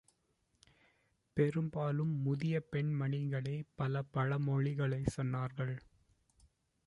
பெரும்பாலும் முதிய பெண்மணிகளே பல பழமொழிகளைச் சொன்னார்கள்.